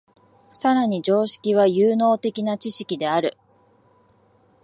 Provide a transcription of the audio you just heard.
更に常識は有機的な知識である。